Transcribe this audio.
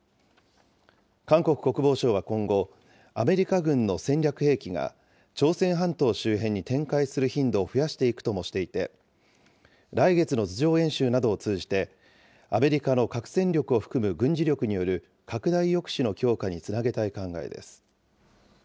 韓国国防省は今後、アメリカ軍の戦略兵器が、朝鮮半島周辺に展開する頻度を増やしていくともしていて、来月の図上演習などを通じて、アメリカの核戦力を含む軍事力による拡大抑止の強化につなげたい